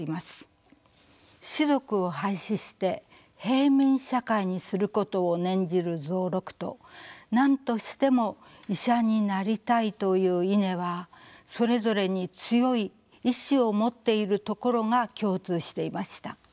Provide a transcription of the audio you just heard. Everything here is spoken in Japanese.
「士族を廃止して平民社会にすること」を念じる蔵六と何としても医者になりたいというイネはそれぞれに強い意志を持っているところが共通していました。